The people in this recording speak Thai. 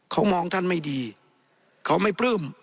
เขามองท่านไม่ดีเขาไม่ปลื้ม